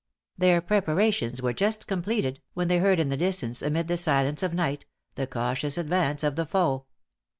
Their preparations were just completed, when they heard in the distance, amid the silence of night, the cautious advance of the foe.